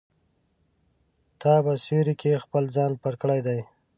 تا په سیوري کې خپل ځان پټ کړی دی.